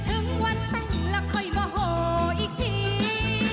แค่ขึ้นมหุงไฟมโหรักทันที